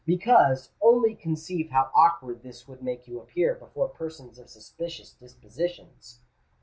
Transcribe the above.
Because, only conceive how awkward this would make you appear before persons of suspicious dispositions.